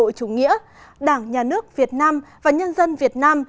trong cuộc xã hội chủ nghĩa đảng nhà nước việt nam và nhân dân việt nam